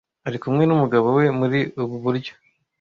ari kumwe n’umugabo we muri ubu buryo.